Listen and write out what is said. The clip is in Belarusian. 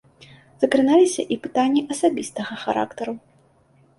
Закраналіся і пытанні асабістага характару.